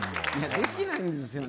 できないんですよね。